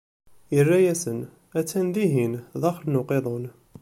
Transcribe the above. Irra-yasen: a-tt-an dihin, daxel n uqiḍun.